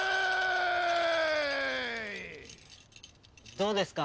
どうですか？